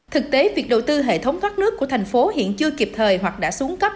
thực tế việc đầu tư hệ thống thoát nước của thành phố hiện chưa kịp thời hoặc đã xuống cấp